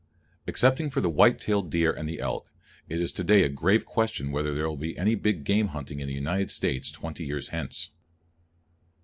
Excepting for the white tailed deer and the elk, it is to day a grave question whether there will be any big game hunting in the United States twenty years hence.